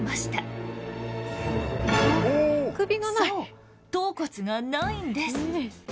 そう頭骨がないんです。